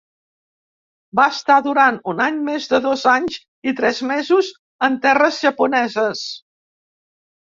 Va restar durant un any més dos anys i tres mesos en terres japoneses.